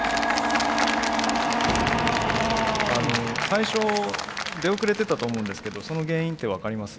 最初出遅れてたと思うんですけどその原因って分かります？